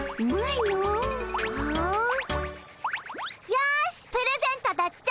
よしプレゼントだっちゃ。